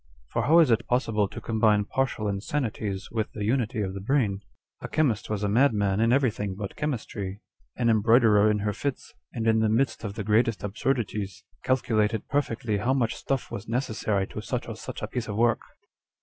For how is it possible to combine partial insanities with the unity of the brain ? A chemist was a madman in everything but chemistry. An embroiderer in her fits, and in the midst of the greatest absurdities, calcu lated perfectly how much stuff was necessary to such or such a piece of work."